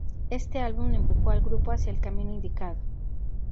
Este álbum empujó al grupo hacía el camino indicado.